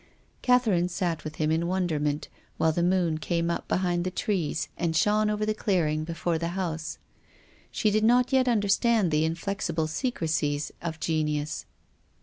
Catherine sat with him in wonderment, while the moon came up behind the trees and shone over the clearing before the house. She did not yet understand the inflexible secrecies of genius.